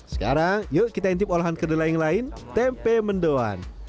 sekarang yuk kita intip olahan kedelai yang lain tempe mendoan